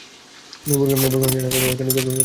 বরগুনা জেলার মূল অর্থনীতি কৃষি কাজ ও মাছ ধরা।